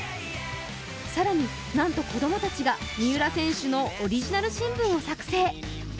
更に、なんと子供たちが三浦選手のオリジナル新聞を作成。